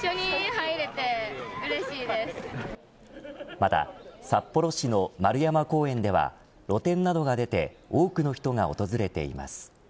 また札幌市の円山公園では露店などが出て多くの人が訪れています。